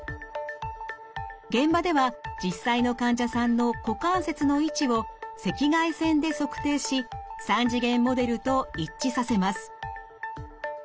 現場では実際の患者さんの股関節の位置を赤外線で測定し３次元モデルと一致させます。